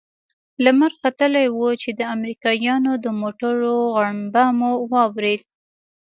لمر ختلى و چې د امريکايانو د موټرو غړمبه مو واورېد.